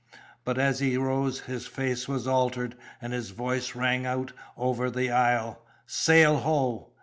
But as he rose, his face was altered, and his voice rang out over the isle, "Sail, ho!"